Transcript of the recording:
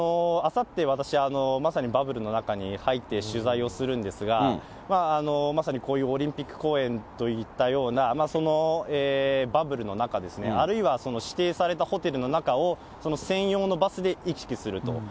あさって、私、まさにバブルの中に入って、取材をするんですが、まさにこういうオリンピック公園といったような、バブルの中ですね、あるいはその指定されたホテルの中を、専用のバスで行き来すると。